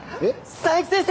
佐伯先生！